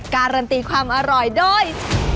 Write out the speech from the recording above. การันตีความอร่อยโดย